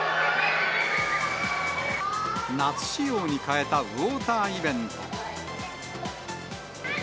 夏仕様に変えたウォーターイベント。